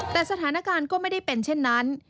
แต่สถานการณ์ก็ไม่ได้เป็นเช่นนั้น